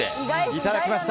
いただきました。